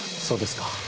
そうですか。